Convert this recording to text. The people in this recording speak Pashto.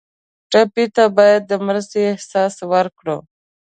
ټپي ته باید د مرستې احساس ورکړو.